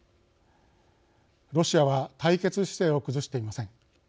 ロシアは対決姿勢を崩していません。